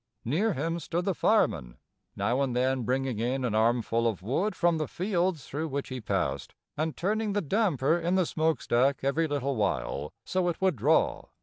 Near him stood the fireman, now and then bringing in an armful of wood from the fields through which he passed, and turning the damper in the smoke stack every little while so it would draw.